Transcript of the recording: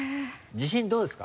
自信どうですか？